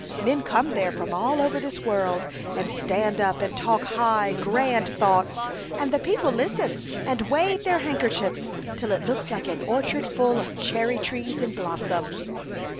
Men come there from all over this world, and stand up and talk high, grand thoughts, and the people listen and wave their handkerchiefs till it looks like an orchard full of cherry trees in blossom.